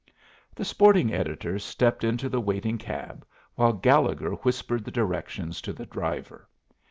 The sporting editor stepped into the waiting cab, while Gallegher whispered the directions to the driver.